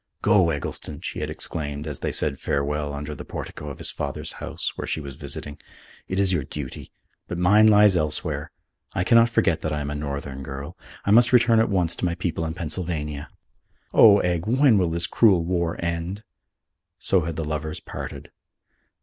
"Go, Eggleston!" she had exclaimed, as they said farewell under the portico of his father's house where she was visiting, "it is your duty. But mine lies elsewhere. I cannot forget that I am a Northern girl. I must return at once to my people in Pennsylvania. Oh, Egg, when will this cruel war end?" So had the lovers parted.